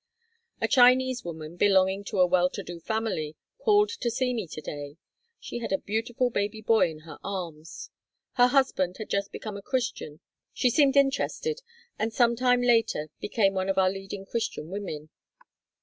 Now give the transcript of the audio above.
A Chinese woman, belonging to a well to do family, called to see me one day. She had a beautiful baby boy in her arms. Her husband had just become a Christian and she seemed interested and some time later became one of our leading Christian women.